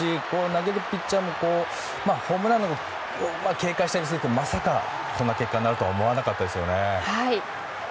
投げるピッチャーもホームランを警戒したりするけどまさかこんな結果になるとは思わなかったですよね。